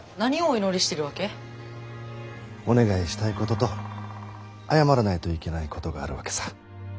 お願いしたいことと謝らないといけないことがあるわけさ。